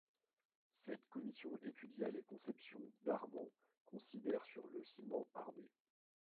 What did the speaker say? Cette commission étudia les conceptions d'Armand Considère sur le ciment armé.